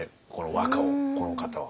和歌をこの方は。